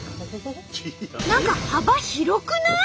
何か幅広くない？